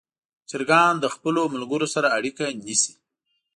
چرګان له خپلو ملګرو سره اړیکه نیسي.